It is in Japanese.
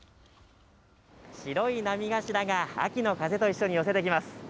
白い波頭が秋の風と一緒に寄せてきます。